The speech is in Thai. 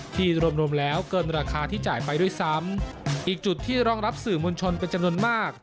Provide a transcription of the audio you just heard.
รวมรวมแล้วเกินราคาที่จ่ายไปด้วยซ้ำอีกจุดที่รองรับสื่อมวลชนเป็นจำนวนมาก